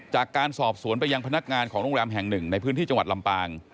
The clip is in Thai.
จากการสอบสวนไปยังพนักงานของโรงแรมแห่งหนึ่งในพื้นที่จังหวัดลำปาง